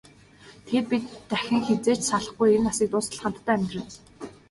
Тэгээд бид дахин хэзээ ч салахгүй, энэ насыг дуустал хамтдаа амьдарна.